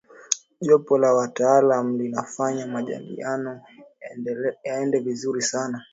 jopo la wataalamu linafanya majadiliano yaende vizuri sana